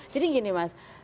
jadi gini mas